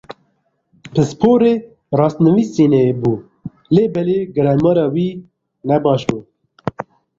Pisporê rastnivîsînê bû lê belê gramera wî nebaş bû.